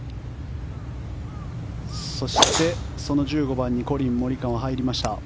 そして、その１５番にコリン・モリカワ入りました。